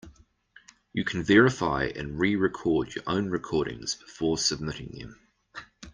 You can verify and re-record your own recordings before submitting them.